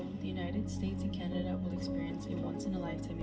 amerika dan canada akan mengalami